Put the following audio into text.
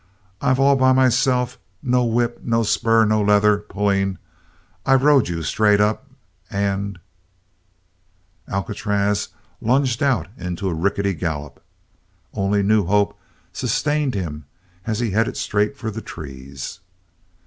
I've all by myself no whip, no spur no leather pulling I've rode straight up and " Alcatraz lunged out into a rickety gallop. Only new hope sustained him as he headed straight for the trees.